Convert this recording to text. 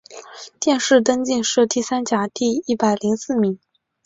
殿试登进士第三甲第一百零四名。